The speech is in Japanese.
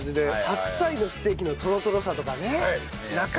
白菜のステーキのトロトロさとかねなかなかね。